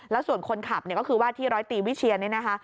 แล้วส่วนคนขับเนี่ยก็คือว่าที่ร้อยตีวิเชียนเนี่ยนะคะ